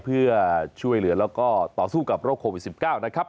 เพื่อช่วยเหลือแล้วก็ต่อสู้กับโรคโควิด๑๙นะครับ